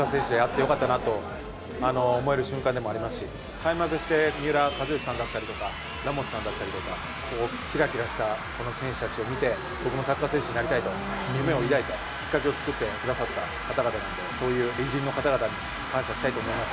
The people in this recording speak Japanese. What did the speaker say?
開幕して、三浦知良さんだったりとかラモスさんだったりとか、キラキラした選手たちを見て僕もサッカー選手になりたいという夢を抱いたきっかけを作ってくださった方々なのでそういう偉人の方々に感謝したいと思います。